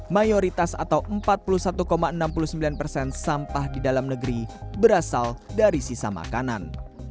mayoritas atau empat puluh satu enam puluh sembilan persen sampah di dalam negeri berasal dari sisa makanan